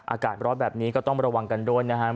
อากาศร้อนแบบนี้ก็ต้องระวังกันด้วยนะครับ